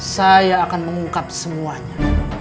saya akan mengungkap semuanya